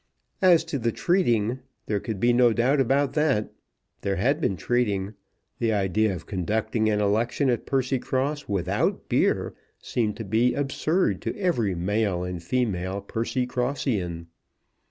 As to the treating, there could be no doubt about that. There had been treating. The idea of conducting an election at Percycross without beer seemed to be absurd to every male and female Percycrossian.